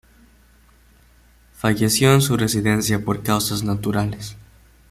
Falleció en su residencia por causas naturales.